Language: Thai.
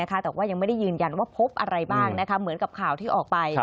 แต่ว่ายังไม่ได้ยืนยันว่าพบอะไรบ้างเหมือนกับข่าวที่ออกไป